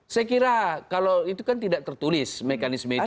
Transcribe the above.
saya kira kalau itu kan tidak tertulis mekanisme itu